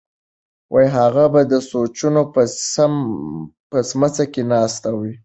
هغه به د سوچونو په سمڅه کې ناست وي.